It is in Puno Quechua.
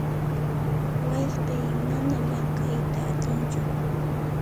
Wayqiy mana llamk'ayta atinchu.